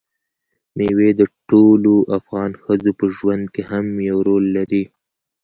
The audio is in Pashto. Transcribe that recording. مېوې د ټولو افغان ښځو په ژوند کې هم یو رول لري.